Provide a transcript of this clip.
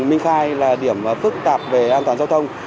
minh khai là điểm phức tạp về an toàn giao thông